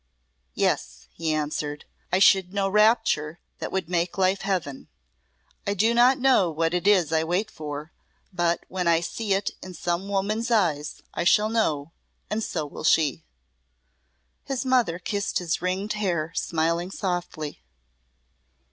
"Yes," he answered, "I should know rapture that would make life Heaven. I do not know what it is I wait for but when I see it in some woman's eyes I shall know, and so will she." His mother kissed his ringed hair, smiling softly.